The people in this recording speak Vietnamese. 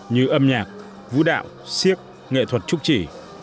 như âm nhạc vũ đạo siếc nghệ thuật trúc chỉ